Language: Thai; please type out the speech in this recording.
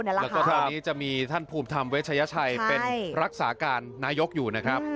แล้วก็ตอนนี้จะมีท่านภูมิธรรมเวชยชัยเป็นรักษาการนายกอยู่นะครับ